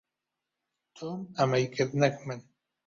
تۆم ئەمەی کرد، نەک من.